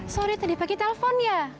sorry tadi pake telepon ya